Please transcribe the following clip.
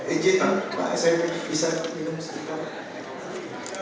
ejit pak saya bisa minum sedikit